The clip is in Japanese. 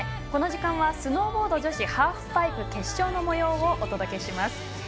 この時間はスノーボード女子ハーフパイプ決勝のもようをお届けします。